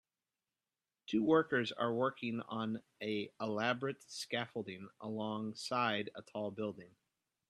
Two workers are working on a elaborate scaffolding along side a tall building